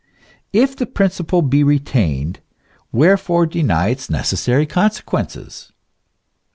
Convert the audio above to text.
If the prin ciple be retained, wherefore deny its necessary consequences?